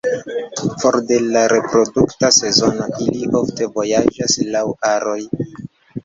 For de la reprodukta sezono, ili ofte vojaĝas laŭ aroj.